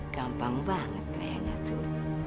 gampang banget kayaknya tuh